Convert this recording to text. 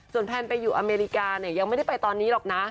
แพนไปอยู่อเมริกาเนี่ยยังไม่ได้ไปตอนนี้หรอกนะ